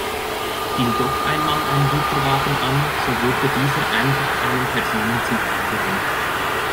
Fiel doch einmal ein Güterwagen an, so wurde dieser einfach einem Personenzug angehängt.